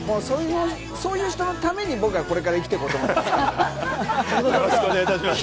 そういう人のために僕はこれから生きて行こうと思います。